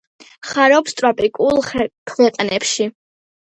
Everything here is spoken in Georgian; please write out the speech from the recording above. ხარობს ტროპიკულ ქვეყნებში.